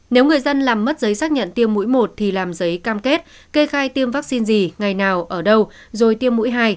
nếu người dân làm mất giấy xác nhận tiêm mũi một thì làm giấy cam kết kê khai tiêm vaccine gì ngày nào ở đâu rồi tiêm mũi hai